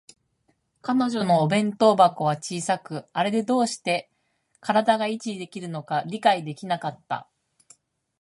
彼女のお弁当箱は小さく、あれでどうして身体が維持できるのか理解できなかった